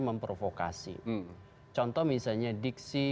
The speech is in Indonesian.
atau provokasi contoh misalnya diksi